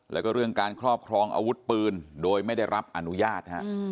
แล้วก็เรื่องการครอบครองอาวุธปืนโดยไม่ได้รับอนุญาต